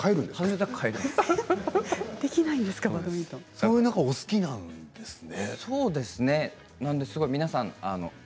そういうことが好きなんですね。